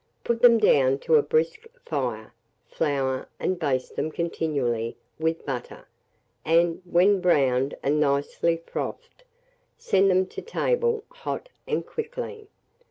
Put them down to a brisk fire; flour, and baste them continually with butter, and, when browned and nicely frothed, send them to table hot and quickly.